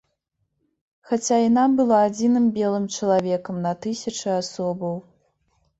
Хаця яна была адзіным белым чалавекам на тысячы асобаў.